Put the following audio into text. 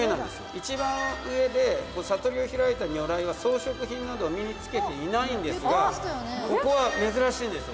一番上で悟りを開いた如来は装飾品などを身に着けていないんですがここは珍しいんですよ。